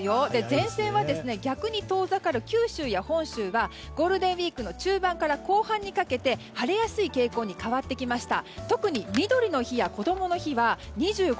前線は逆に遠ざかる九州や本州はゴールデンウィークの中盤から後半にかけて晴れやすい傾向に変わってきました。